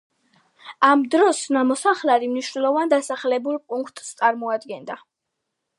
ამ დროს ნამოსახლარი მნიშვნელოვან დასახლებულ პუნქტს წარმოადგენდა.